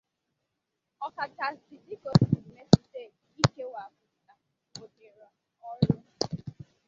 ọkachasị dịka o siri metụta ikewàpụta ohere ọrụ.